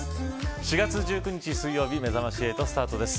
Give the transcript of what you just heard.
４月１９日、水曜日めざまし８スタートです。